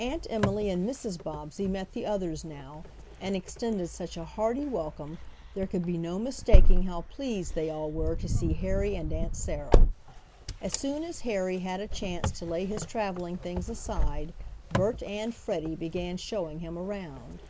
Aunt Emily and Mrs. Bobbsey met the others now, and extended such a hearty welcome, there could be no mistaking how pleased they all were to see Harry and Aunt Sarah. As soon as Harry had a chance to lay his traveling things aside Bert and Freddie began showing him around.